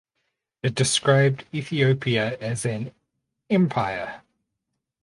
It described Ethiopia as an "empire".